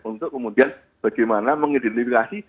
untuk kemudian bagaimana mengidentifikasi